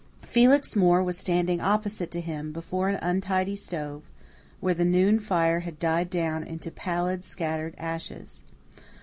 Felix Moore was standing opposite to him, before an untidy stove, where the noon fire had died down into pallid, scattered ashes.